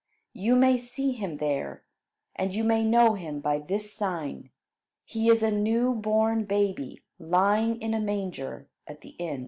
You may see him there; and you may know him by this sign: He is a new born baby, lying in a manger, at the inn."